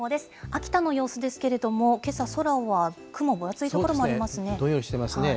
秋田の様子ですけれども、けさ、空は雲、どんよりしてますね。